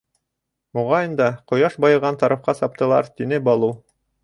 Моғайын да, ҡояш байыған тарафҡа саптылар, — тине Балу.